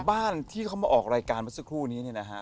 บ้านที่เขามาออกรายการเมื่อสักครู่นี้เนี่ยนะฮะ